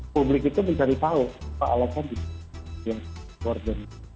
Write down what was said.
publik itu mencari tahu apa alasan itu